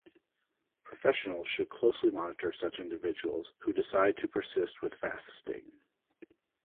Professionals should closely monitor such individuals who decide to persist with fasting.